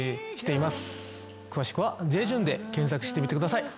詳しくは「ジェジュン」で検索してみてください。